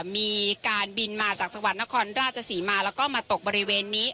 มีการบินมาจากจังหวัดนครราชศรีมาแล้วก็มาตกบริเวณนี้